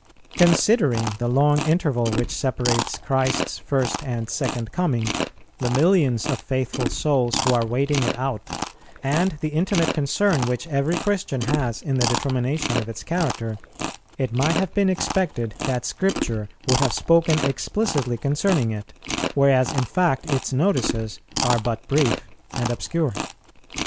Considering the long interval which separates Christ's first and second coming, the millions of faithful souls who are waiting it out, and the intimate concern which every Christian has in the determination of its character, it might have been expected that Scripture would have spoken explicitly concerning it, whereas in fact its notices are but brief and obscure.